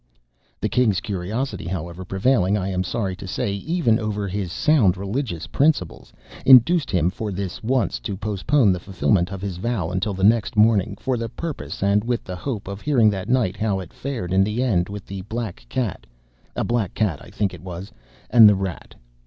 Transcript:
The king's curiosity, however, prevailing, I am sorry to say, even over his sound religious principles, induced him for this once to postpone the fulfilment of his vow until next morning, for the purpose and with the hope of hearing that night how it fared in the end with the black cat (a black cat, I think it was) and the rat.